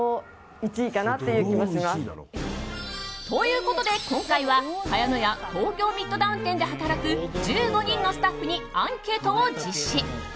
ということで、今回は茅乃舎東京ミッドタウン店で働く１５人のスタッフにアンケートを実施。